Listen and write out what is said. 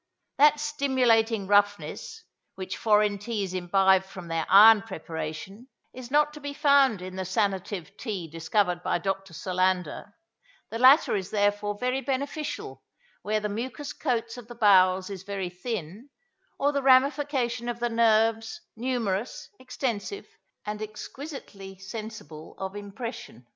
That stimulating roughness, which foreign teas imbibe from their iron preparation, is not to be found in the sanative tea discovered by Dr. Solander; the latter is therefore very beneficial where the mucous coat of the bowels is very thin, or the ramification of the nerves numerous, extensive, and exquisitely sensible of impression.